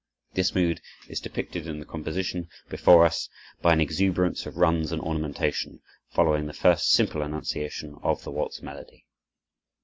This mood is depicted in the composition before us by an exuberance of runs and ornamentation, following the first simple enunciation of the waltz melody.